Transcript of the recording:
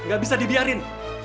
gak bisa dibiarin